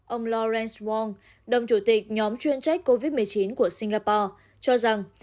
ông lawrence wong đồng chủ tịch nhóm chuyên trách covid một mươi chín của singapore cho rằng